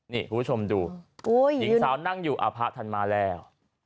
นี่คุณผู้ชมดูหญิงสาวนั่งอยู่อภะท่านมาแล้ว